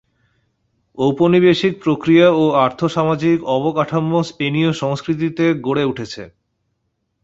ঔপনিবেশিক প্রক্রিয়া ও আর্থ-সামাজিক অবকাঠামো স্পেনীয় সংস্কৃতিতে গড়ে উঠেছে।